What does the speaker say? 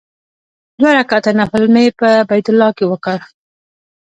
دوه رکعاته نفل مې په بیت الله کې وکړ.